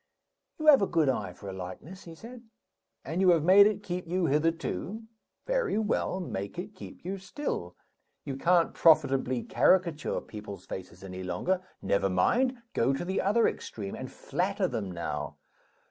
"You have a good eye for a likeness," he said; "and you have made it keep you hitherto. Very well. Make it keep you still. You can't profitably caricature people's faces any longer never mind! go to the other extreme, and flatter them now.